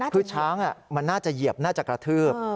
คือช้างมันน่าจะเหยียบน่าจะกระทืบ